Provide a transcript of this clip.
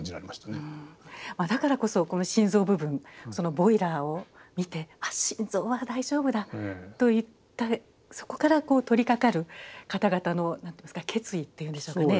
だからこそこの心臓部分ボイラーを見て心臓は大丈夫だと言ってそこから取りかかる方々の何と言いますか決意っていうんでしょうかね。